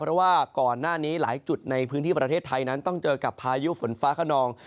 เพราะว่าก่อนหน้านี้หลายจุดในพื้นที่ประเทศไทยนั้นต้องเจอกับพายุฝนฟ้าขนอง